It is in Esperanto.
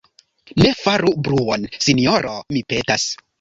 Ne faru bruon, sinjoro, mi petas.